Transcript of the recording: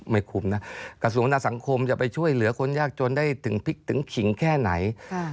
ไม่คุมนะกระทรวงหน้าสังคมจะไปช่วยเหลือคนยากจนได้ถึงพลิกถึงขิงแค่ไหน